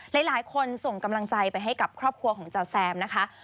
หลายคนส่งกำลังใจไปให้กับครอบครัวของจ๋าแซมนะคะ